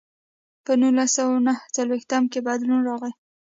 په نولس سوه او نهه څلوېښتم کې بدلون راغی.